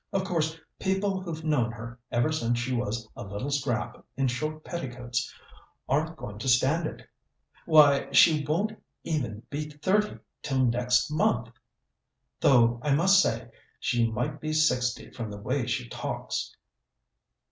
Of course, people who've known her ever since she was a little scrap in short petticoats aren't going to stand it. Why, she won't even be thirty till next month! though, I must say, she might be sixty from the way she talks.